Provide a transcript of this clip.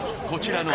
こちら。